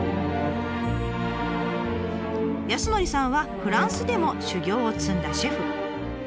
康典さんはフランスでも修業を積んだシェフ。